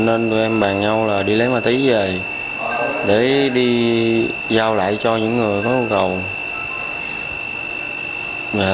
nên tụi em bàn nhau là đi lấy ma túy về để đi giao lại cho những người có nhu cầu